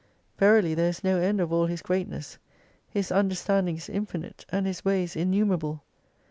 Verily there is no end of all His greatness, His understanding is infinite, and His ways innumerable.